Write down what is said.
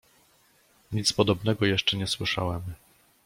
"Nic podobnego jeszcze nie słyszałem."